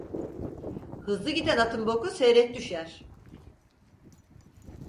Hızlı giden atın boku seyrek düşer.